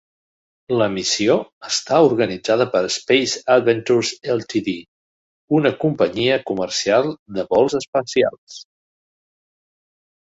La missió està organitzada per Space Adventures Ltd., una companyia comercial de vols espacials.